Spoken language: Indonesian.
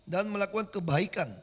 dan melakukan kebaikan